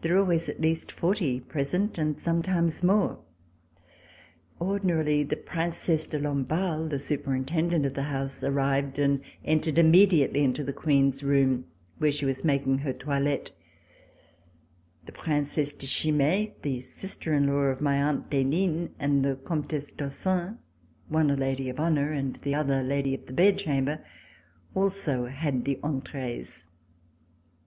There were always at least forty present and sometimes more. Ordinarily, the Princesse de Lamballe, the superintendent of the house, arrived and entered immediately into the Queen's room, where she was making her toilette. The Princesse de Chimay, the sister in law of my aunt d'Henin, and the Comtesse d'Ossun, one a lady of honor and the other lady of the bed chamber, also had the entrees.